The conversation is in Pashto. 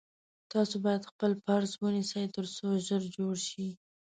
تاسو باید خپل پریز ونیسی تر څو ژر جوړ شی